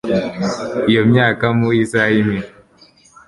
iyo myaka mu isaha imwe